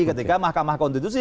ketika mahkamah konstitusi